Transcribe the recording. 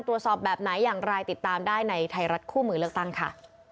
ตรวจสอบแบบไหนอย่างไรติดตามได้ในไทยรัฐคู่มือเลือกตั้งค่ะ